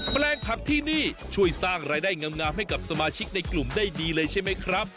แปลงผักที่นี่ช่วยสร้างรายได้งามให้กับสมาชิกในกลุ่มได้ดีเลยใช่ไหมครับ